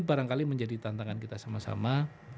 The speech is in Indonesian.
barangkali menjadi tantangan kita sama sama